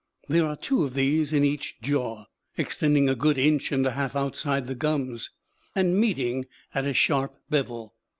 There are two of these in each jaw, extending a good inch and a half outside the gums, and meeting at a sharp bevel.